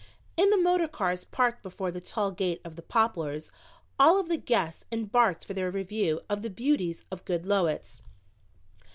In the motor cars parked before the tall gate of the Poplars all of the guests embarked for their review of the beauties of Goodloets.